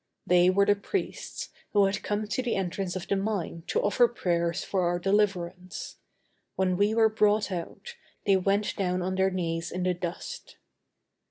They were the priests, who had come to the entrance of the mine to offer prayers for our deliverance. When we were brought out, they went down on their knees in the dust.